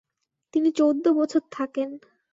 তিনি চৌদ্দ বছর থাকেন।